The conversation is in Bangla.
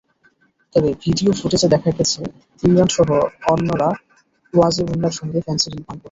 তবে ভিডিও ফুটেজে দেখা গেছে, ইমরানসহ অন্যরা ওয়াজিবুল্লাহর সঙ্গে ফেনসিডিল পান করছেন।